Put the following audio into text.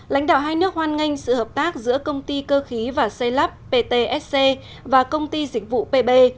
lãnh đạo hai nước hoan nghênh sự hợp tác giữa công ty cơ khí và xây lắp ptsc và công ty dịch vụ pb